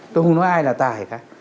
tôi không nói ai là tài hay khác